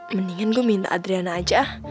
mendingan gue minta adriana aja